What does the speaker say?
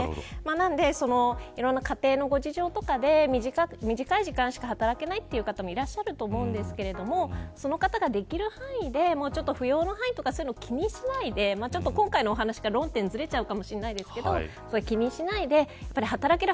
なのでいろんな家庭のご事情とかで短い時間しか働けないという方もいらっしゃると思うんですけれどその方ができる範囲でもうちょっと扶養の範囲とか気にしないで今回の話から論点ずれちゃうかもしれないですけど気にしないで働ける。